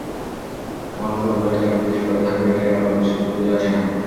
তোমার মতো লোকেরা কেন বিদেশ পড়ে থাকবে এটাই আমার বুঝে আসে না।